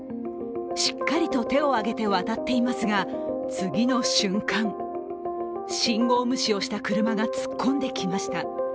しっかりと手を挙げて渡っていますが次の瞬間、信号無視をした車が突っ込んできました。